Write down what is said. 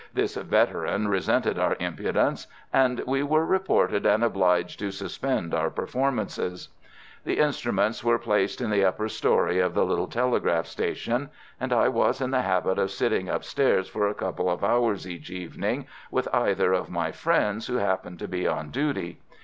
This veteran resented our impudence, and we were reported and obliged to suspend our performances. The instruments were placed in the upper storey of the little telegraph station, and I was in the habit of sitting upstairs for a couple of hours each evening with either of my friends who happened to be on duty.